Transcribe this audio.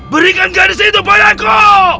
berikan garis itu padaku